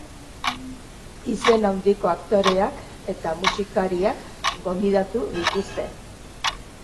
Izen handiko aktoreak eta musikariak gonbidatu dituzte.